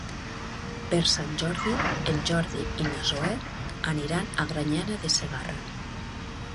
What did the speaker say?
Per Sant Jordi en Jordi i na Zoè aniran a Granyena de Segarra.